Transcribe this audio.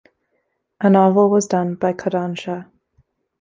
A novel was done by Kodansha.